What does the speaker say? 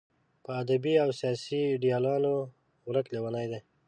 په ادبي او سیاسي ایډیالونو ورک لېونی دی.